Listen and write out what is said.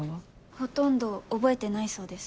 ほとんど覚えてないそうです。